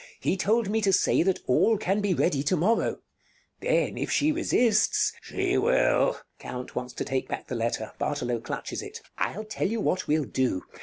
He told me to say that all can be ready to morrow. Then, if she resists Bartolo She will. Count [wants to take back the letter; Bartolo clutches it] I'll tell you what we'll do.